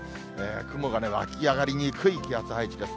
雲が湧き上がりにくい気圧配置です。